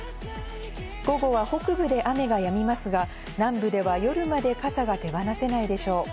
午後は北部で雨がやみますが、南部では夜まで傘が手放せないでしょう。